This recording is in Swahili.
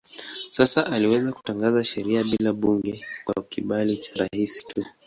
Sasa aliweza kutangaza sheria bila bunge kwa kibali cha rais tu.